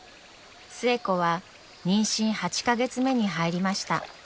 寿恵子は妊娠８か月目に入りました。